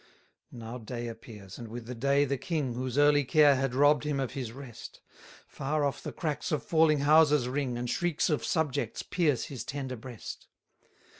238 Now day appears, and with the day the King, Whose early care had robb'd him of his rest: Far off the cracks of falling houses ring, And shrieks of subjects pierce his tender breast.